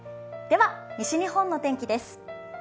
では、西日本の天気です。